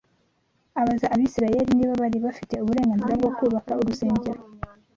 abaza Abisirayeli niba bari bafite uburenganzira bwo kubaka urusengero.